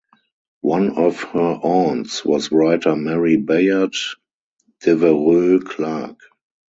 One of her aunts was writer Mary Bayard Devereux Clarke.